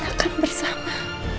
gak akan bersama